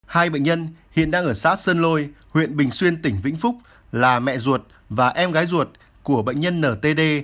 hai bệnh nhân hiện đang ở xã sơn lôi huyện bình xuyên tỉnh vĩnh phúc là mẹ ruột và em gái ruột của bệnh nhân ntd